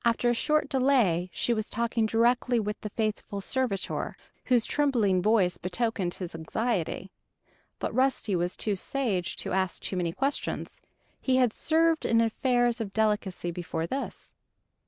After a short delay she was talking directly with the faithful servitor, whose trembling voice betokened his anxiety. But Rusty was too sage to ask too many questions he had served in affairs of delicacy before this.